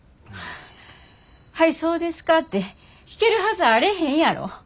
はいそうですかて聞けるはずあれへんやろ。